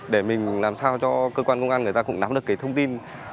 để mình làm sao cho cơ quan công an người ta cũng nắm được cái thông tin